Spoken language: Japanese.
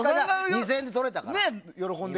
２０００円で取れたから。